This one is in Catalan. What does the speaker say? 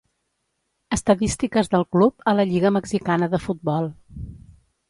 Estadístiques del club a la lliga mexicana de futbol.